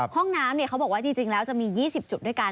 ห้องน้ำเขาบอกว่าจริงแล้วจะมี๒๐จุดด้วยกัน